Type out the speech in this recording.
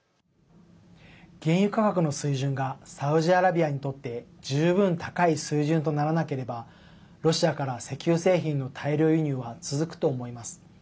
原油価格の水準がサウジアラビアにとって十分高い水準とならなければロシアから石油製品の大量輸入は続くと思います。